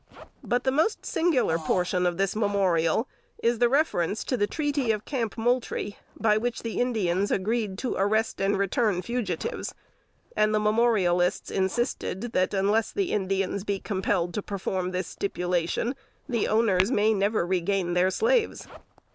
" But the most singular portion of this memorial is the reference to the treaty of Camp Moultrie, by which the Indians agreed to arrest and return fugitives; and the memorialists insisted that unless the Indians be compelled to perform this stipulation the owners "may never regain their slaves."